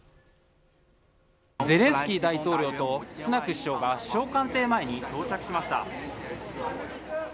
ゼレンスキー大統領とスナク首相が首相官邸前に到着しました。